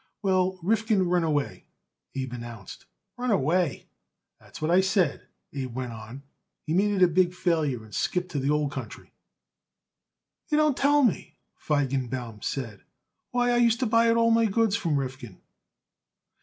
"Well, Rifkin run away," Abe announced. "Run away!" "That's what I said," Abe went on. "He made it a big failure and skipped to the old country." "You don't tell me!" Feigenbaum said. "Why, I used to buy it all my goods from Rifkin."